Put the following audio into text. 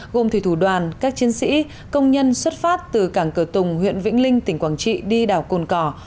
gồm thủy thủ đoàn các chiến sĩ công nhân xuất phát từ cảng cửa tùng huyện vĩnh linh tỉnh quảng trị đi đảo cồn cỏ